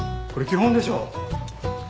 これ基本でしょ。